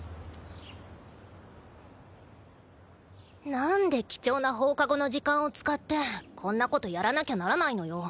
なんで貴重な放課後の時間を使ってこんなことやらなきゃならないのよ？